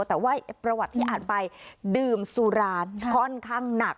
แต่ว่าประวัติที่อ่านไปดื่มสุรานค่อนข้างหนัก